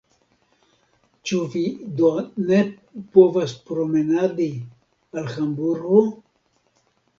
Ĉu vi do ne povas promenadi al Hamburgo?